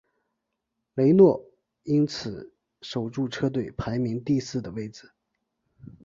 雷诺因此守住车队排名第四的位子。